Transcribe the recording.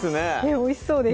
おいしそうです